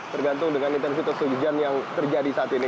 tergantung dengan intensitas hujan yang terjadi saat ini